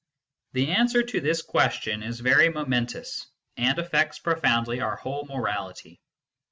The answer to this question is very momentous, and affects profoundly our whole morality.